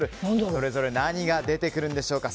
それぞれ何が出てくるんでしょうか。